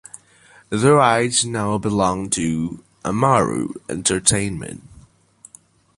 The rights now belong to Amaru Entertainment.